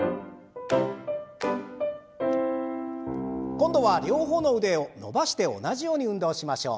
今度は両方の腕を伸ばして同じように運動をしましょう。